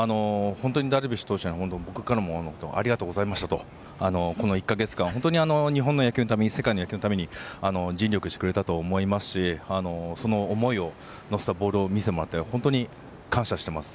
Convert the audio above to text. ダルビッシュ投手に関しては本当にありがとうございましたとこの１か月間日本の、世界の野球のために尽力してくれたと思いますしその思いを乗せたボールを見せてもらって感謝してます。